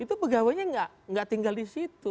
itu pegawainya nggak tinggal di situ